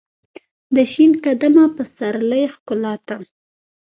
دشین قدمه پسرلی ښکالو ته ،